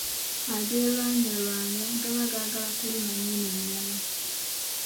Agerwanyalwanya, gaba gaagala kuluma nnyini nnyama.